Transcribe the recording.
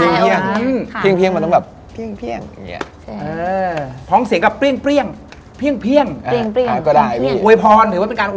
โอยพรหรือว่าเป็นการโอยพร